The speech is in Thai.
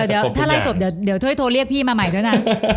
เดี๋ยวถ้าไล่จบเดี๋ยวช่วยโทรเรียกพี่มาใหม่ด้วยนะ